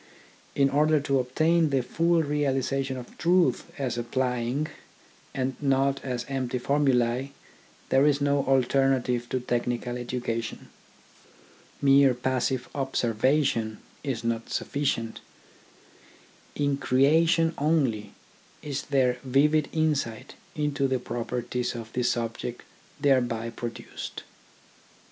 In order to obtain the full realisation of truths as applying, and not as empty formulae, there is no alternative to technical education. Mere 48 THE ORGANISATION OF THOUGHT passive observation is not sufficient. In crea tion only is there vivid insight into the properties of the object thereby produced.